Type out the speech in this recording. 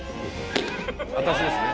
「私ですね」